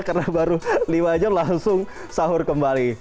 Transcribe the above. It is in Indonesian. karena baru lima jam langsung sahur kembali